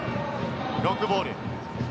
ロングボール。